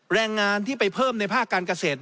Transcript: แรงงานที่ไปเพิ่มในภาคการเกษตร